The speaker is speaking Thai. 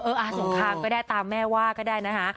อาสงครามก็ได้ตามแม่ว่าก็ได้นะคะ